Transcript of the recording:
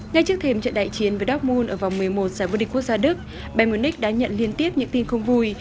ngay trước thêm trận đại chiến với dortmund ở vòng một mươi một giải vua địch quốc gia đức bayern munich đã nhận liên tiếp những tin không vui